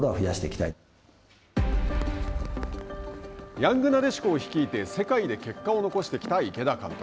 ヤングなでしこを率いて世界で結果を残してきた池田監督。